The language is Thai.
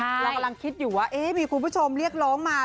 เรากำลังคิดอยู่ว่ามีคุณผู้ชมเรียกร้องมา